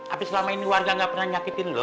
abis selama ini warga gak pernah nyakitin lo